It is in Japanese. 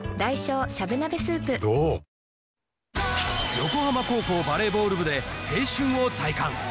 横浜高校バレーボール部で、青春を体感。